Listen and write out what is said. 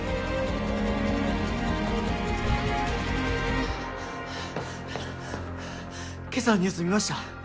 ハァハァ今朝のニュース見ました！？